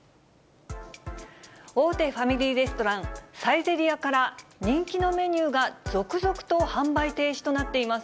大手ファミリーレストラン、サイゼリヤから、人気のメニューが続々と販売停止となっています。